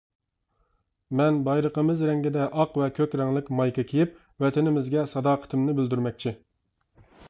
مەن بايرىقىمىز رەڭگىدە ئاق ۋە كۆك رەڭلىك مايكا كىيىپ، ۋەتىنىمىزگە ساداقىتىمنى بىلدۈرمەكچى!